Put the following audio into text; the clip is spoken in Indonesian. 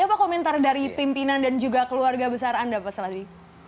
apa komentar dari pimpinan dan juga keluarga besar anda pak seladi